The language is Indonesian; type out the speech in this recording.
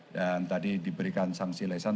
tadi diberikan sanksi lesan